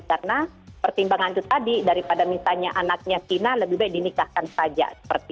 karena pertimbangan itu tadi daripada misalnya anaknya kina lebih baik dinikahkan saja